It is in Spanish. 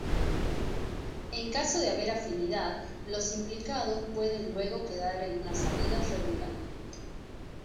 En caso de haber afinidad los implicados pueden luego quedar en una salida regular.